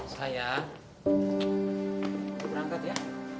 sayang berangkat ya